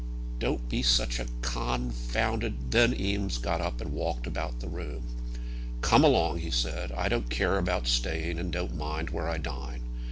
"Don't be such a con founded " Then Eames got up, and walked about the room. "Come along," said he, "I don't care about staying, and don't mind where I dine."